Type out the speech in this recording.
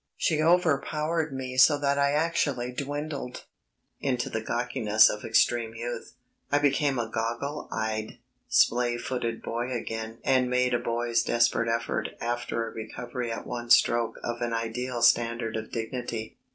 She overpowered me so that I actually dwindled into the gawkiness of extreme youth. I became a goggle eyed, splay footed boy again and made a boy's desperate effort after a recovery at one stroke of an ideal standard of dignity.